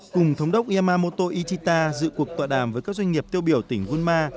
cùng thống đốc yamamoto ichita dự cuộc tọa đàm với các doanh nghiệp tiêu biểu tỉnh gân ma